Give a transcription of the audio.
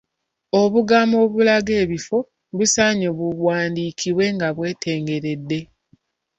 Obugambo obulaga ebifo busaanye buwandiikibwe nga bwetengeredde.